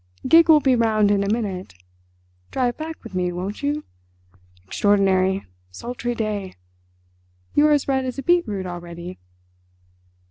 "Gig will be round in a minute. Drive back with me, won't you? Extraordinary, sultry day; you're as red as a beetroot already."